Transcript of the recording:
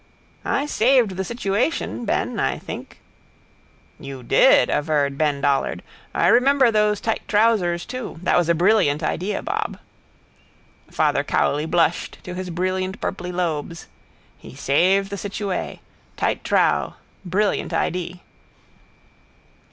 —I saved the situation, Ben, I think. —You did, averred Ben Dollard. I remember those tight trousers too. That was a brilliant idea, Bob. Father Cowley blushed to his brilliant purply lobes. He saved the situa. Tight trou. Brilliant ide.